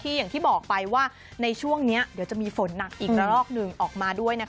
อย่างที่บอกไปว่าในช่วงนี้เดี๋ยวจะมีฝนหนักอีกระลอกหนึ่งออกมาด้วยนะคะ